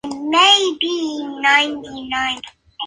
El O le confiere un carácter oxidante a la atmósfera.